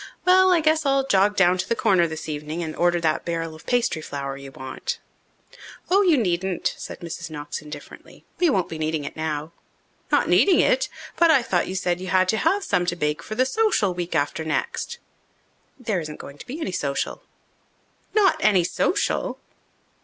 Well, I guess I'll jog down to the Corner this evening and order that barrel of pastry flour you want." "Oh, you needn't," said Mrs. Knox indifferently. "We won't be needing it now." "Not needing it! But I thought you said you had to have some to bake for the social week after next." "There isn't going to be any social." "Not any social?"